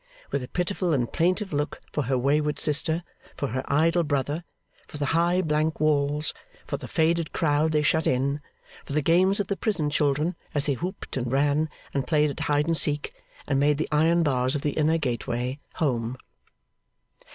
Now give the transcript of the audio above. With a pitiful and plaintive look for her wayward sister; for her idle brother; for the high blank walls; for the faded crowd they shut in; for the games of the prison children as they whooped and ran, and played at hide and seek, and made the iron bars of the inner gateway 'Home.